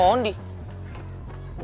ngapain dia di sini